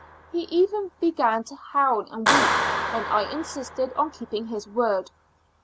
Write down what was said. He even began to howl and weep when I insisted on his keeping his word.